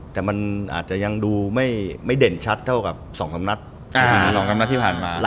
แต่มันอาจจะยังดูไม่เด่นชัดเท่ากับ๒๓นัด๒๓นัดที่ผ่านมา